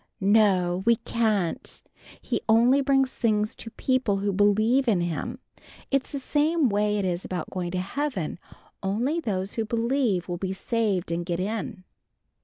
"No, we can't! He only brings things to people who bleeve in him. It's the same way it is about going to Heaven. Only those who bleeve will be saved and get in."